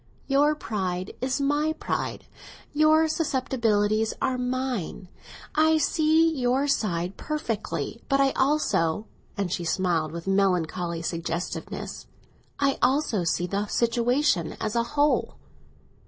"Your pride is my pride, and your susceptibilities are mine. I see your side perfectly, but I also"—and she smiled with melancholy suggestiveness—"I also see the situation as a whole!"